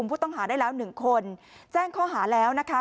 ผู้ต้องหาได้แล้วหนึ่งคนแจ้งข้อหาแล้วนะคะ